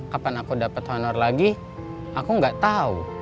kapan aku dapat honor lagi aku nggak tahu